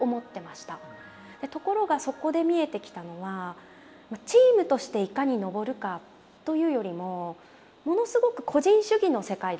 ところがそこで見えてきたのはチームとしていかに登るかというよりもものすごく個人主義の世界だったんですよ。